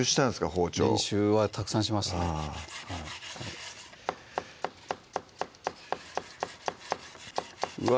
包丁練習はたくさんしましたうわ